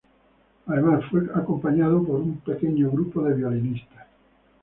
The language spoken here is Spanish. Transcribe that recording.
Además, fue acompañado por un pequeño grupo de violinistas.